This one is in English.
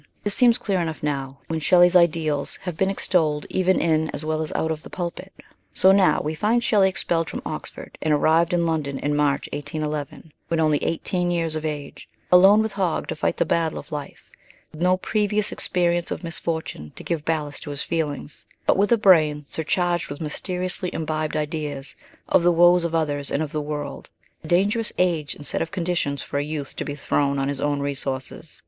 This seems clear enough now, when Shelley's ideas have been extolled even in as well as out of the pulpit. So now we find Shelley expelled from Oxford and arrived in London in March 181 1, when oaly eighteen years of age, alone with Hogg to fight the battle of life, with no previous experience of mis fortune to give ballast to his feelings, but with a brain surcharged with mysteriously imbibed ideas of the woes of others and of the world a dangerous age and set of conditions for a youth to be thrown on his own resources.